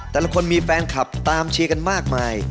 แต่ละคนมีแฟนคลับตามเชียร์กันมากมาย